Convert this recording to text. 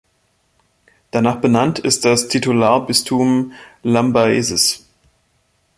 Danach benannt ist das Titularbistum Lambaesis.